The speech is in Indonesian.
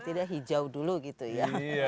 tidak hijau dulu gitu ya